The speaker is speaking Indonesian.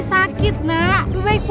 pak karta tolong aku